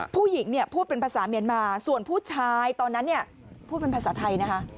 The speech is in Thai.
ผู้หญิงเนี่ยพูดเป็นภาษาเมียนมาส่วนผู้ชายตอนนั้นเนี่ยพูดเป็นภาษาไทยนะคะ